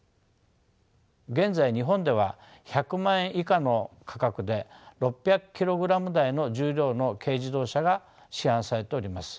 現在日本では１００万円以下の価格で６００キログラム台の重量の軽自動車が市販されております。